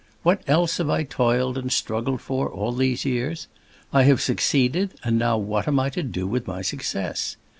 What else have I toiled and struggled for, all these years? I have succeeded, and now what am I to do with my success?